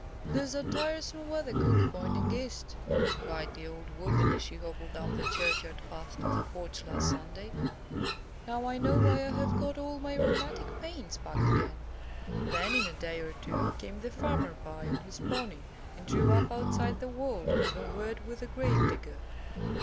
There's that tiresome weathercock pointing east, cried the old woman, as she hobbled up the churchyard path to the porch last Sunday; now I know why I have got all my rheumatic pains back again. Then, in a day or two, came the farmer by on his pony, and drew up outside the wall to have a word with the grave digger.